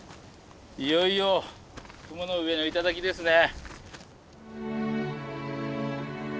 いよいよ雲の上の頂ですね。